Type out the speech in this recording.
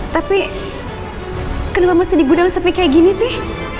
tapi kenapa masih di gudang sepi kayak gini sih